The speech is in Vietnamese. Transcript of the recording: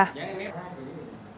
công an huyện thuận thị hồ tâm